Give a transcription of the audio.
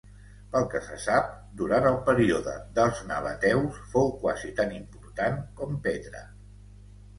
Pel que se sap, durant el període dels nabateus fou quasi tan important com Petra.